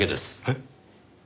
えっ？